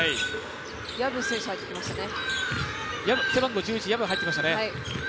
薮選手が入ってきましたね。